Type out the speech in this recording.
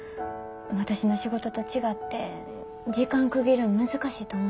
私の仕事と違って時間区切るん難しいと思うから。